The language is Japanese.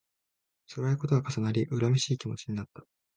つらいことが重なり、恨めしい気持ちになった